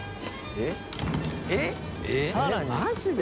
─舛叩えっマジで？